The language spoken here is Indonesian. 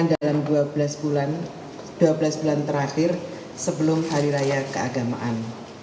dalam dua belas bulan terakhir sebelum hari raya keagamaan